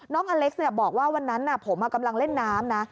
อเล็กซ์บอกว่าวันนั้นผมกำลังเล่นน้ำนะ